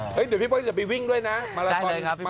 เฮ้ยเดี๋ยวพี่เปิ้ลจะไปวิ่งด้วยนะมาลาทอนได้เลยครับพี่เปิ้ล